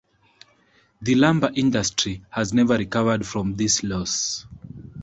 The lumber industry has never recovered from this loss.